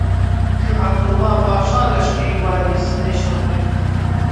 کە عەبدوڵڵاهـ پاشا لەشکری والیی سنەی شڕ کرد